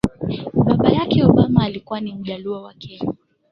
Baba yake Obama alikuwa ni Mjaluo wa Kenya